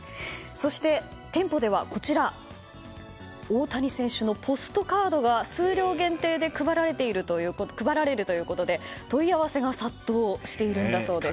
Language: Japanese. そして、店舗では大谷選手のポストカードが数量限定で配られるということで問い合わせが殺到しているんだそうです。